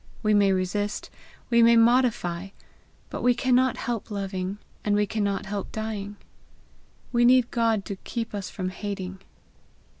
We may resist, we may modify; but we cannot help loving, and we cannot help dying. We need God to keep us from hating.